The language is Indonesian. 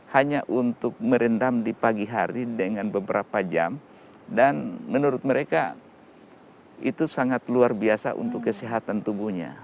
hanya untuk merendam di pagi hari dengan beberapa jam dan menurut mereka itu sangat luar biasa untuk kesehatan tubuhnya